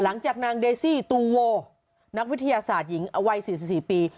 หลังจากนางเดซี่ตูโวนักวิทยาศาสตร์หญิงอวัย๔๔ปี